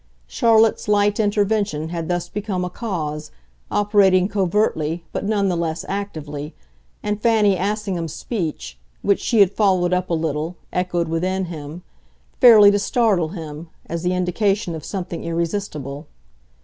Charlotte's light intervention had thus become a cause, operating covertly but none the less actively, and Fanny Assingham's speech, which she had followed up a little, echoed within him, fairly to startle him, as the indication of something irresistible.